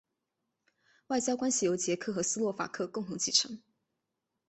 外交关系由捷克和斯洛伐克共同继承。